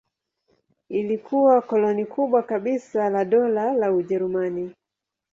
Ilikuwa koloni kubwa kabisa la Dola la Ujerumani.